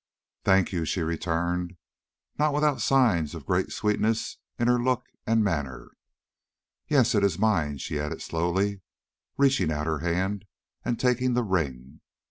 "Thank you," she returned, not without signs of great sweetness in her look and manner. "Yes, it is mine," she added slowly, reaching out her hand and taking the ring.